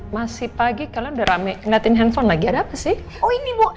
masih pagi kalian udah rame ngeliatin handphone lagi ada apa sih oh ini bu